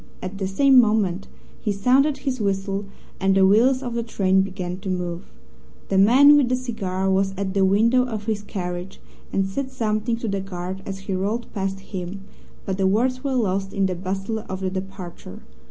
At the same moment he sounded his whistle and the wheels of the train began to move. The man with the cigar was at the window of his carriage, and said something to the guard as he rolled past him, but the words were lost in the bustle of the departure.